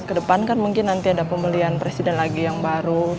kedepan kan mungkin nanti ada pembelian presiden lagi yang baru